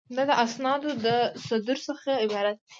دا د اسنادو د صدور څخه عبارت دی.